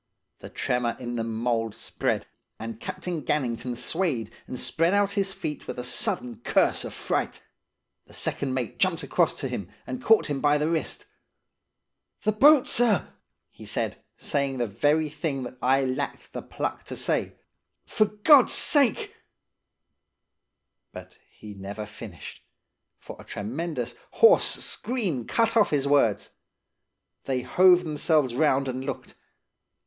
The tremor in the mould spread, and Captain Gannington swayed, and spread out his feet with a sudden curse of fright. The second mate jumped across to him, and caught him by the wrist. "'The boat, sir!' he said, saying the very thing that I had lacked the pluck to say. 'For God's sake —' "But he never finished, for a tremendous hoarse scream cut off his words. They hove themselves round and looked.